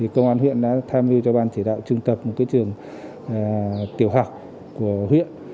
công an huyện đã tham dự cho ban chỉ đạo trưng tập một trường tiểu học của huyện